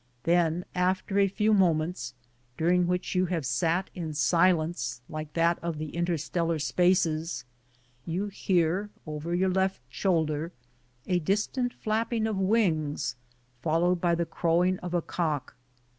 Then after a few mo ments, during which you have sat in a silence like that of the interstellar spaces, you hear over your left shoulder a distant flapping of wings, followed by the crowing of a cock.